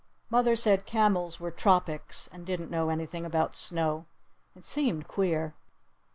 Mother said camels were tropics and didn't know anything about snow. It seemed queer.